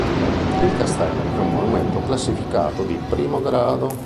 Il castello è un monumento classificato di primo grado.